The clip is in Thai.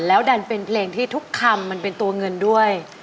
แล้วดันเป็นเพลงที่ทุกคำมันเป็นตัวเงินด้วย